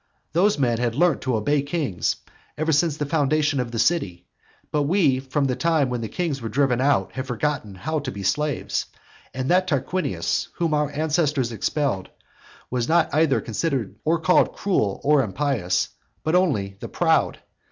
Those men had learnt to obey kings ever since the foundation of the city, but we from the time when the kings were driven out have forgotten how to be slaves. And that Tarquinius, whom our ancestors expelled, was not either considered or called cruel or impious, but only The Proud.